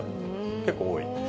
結構多い。